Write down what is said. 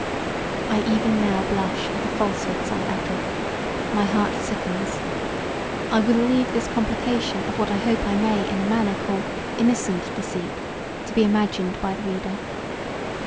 I even now blush at the falsehoods I uttered; my heart sickens: I will leave this complication of what I hope I may in a manner call innocent deceit to be imagined by the reader.